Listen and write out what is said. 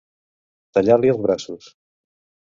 Tallar-li els braços.